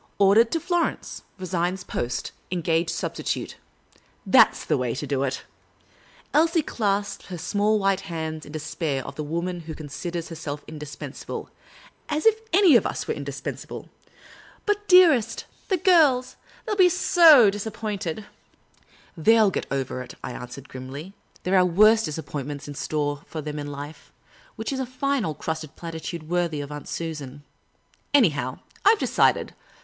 Ordered to Florence. Resigns post. Engage substitute.' That ' s the way to do it." Elsie clasped her small white hands in the despair of the woman who considers herself indispensable — as if we were any of us indispensable !'' But, dearest, the girls ! They ' 11 be so disappointed !" The Urbane Old Gentleman 149 " They '11 get over it," I answered, grimly. " There are worse disappointments in store for them in life — which is a fine old crusted platitude worthy of Aunt Susan. Anyhow, I 've decided.